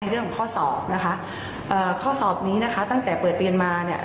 เรื่องของข้อสอบนะคะเอ่อข้อสอบนี้นะคะตั้งแต่เปิดเรียนมาเนี่ย